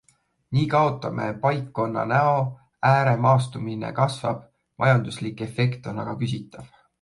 Nii kaotame paikkonna näo, ääremaastumine kasvab, majanduslik efekt on aga küsitav.